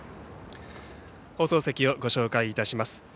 放送席をご紹介いたします。